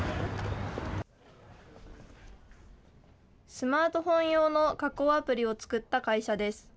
スマートフォン用の加工アプリを作った会社です。